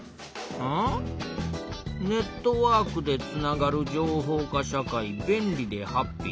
ん？「ネットワークでつながる情報化社会便利でハッピー！」。